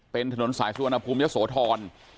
เป็นถนนสายสุวรรณภูมิยะโสธร